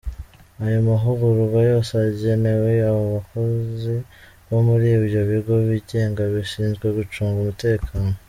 Ayo mahugurwa yose agenewe abo bakozi bo muri ibyo bigo byigenga bishinzwe gucunga umutekano.